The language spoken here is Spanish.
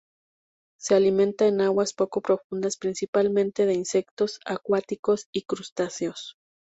Se alimentan en aguas poco profundas, principalmente de insectos acuáticos y crustáceos.